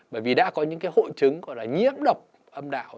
bởi vì đã có những hội chứng gọi là nhiễm độc âm đạo